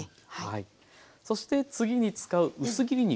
そして次に使う薄切り肉